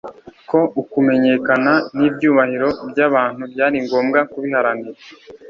ko ukumenyekana n'ibyubahiro by'abantu byari ngombwa kubiharanira.